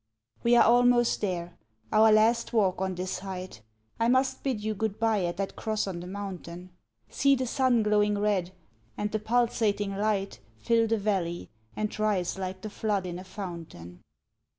We are almost there our last walk on this height I must bid you good bye at that cross on the mountain. See the sun glowing red, and the pulsating light Fill the valley, and rise like the flood in a fountain!